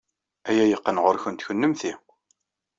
Aya yeqqen ɣer-went kennemti.